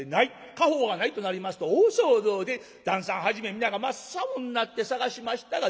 家宝がないとなりますと大騒動で旦さんはじめ皆が真っ青になって捜しましたが出てまいりません。